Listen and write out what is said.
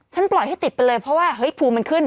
ปล่อยให้ติดไปเลยเพราะว่าเฮ้ยภูมิมันขึ้น